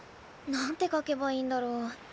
何て書けばいいんだろう。